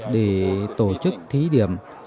để tổ chức thí điểm